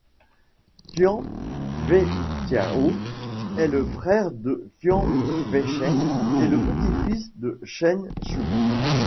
Qian Weiqiao est le frère de Qian Weicheng et petit-fils de Chen Shu.